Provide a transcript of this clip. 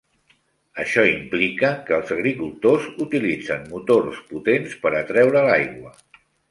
Això implica que els agricultors utilitzen motors potents per a treure l'aigua.